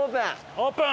オープン！